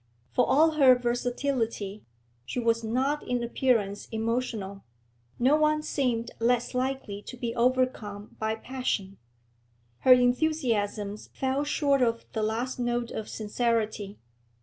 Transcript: For all her versatility, she was not in appearance emotional; no one seemed less likely to be overcome by passion. Her enthusiasms fell short of the last note of sincerity.